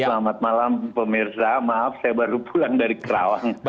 selamat malam pemirsa maaf saya baru pulang dari kerawang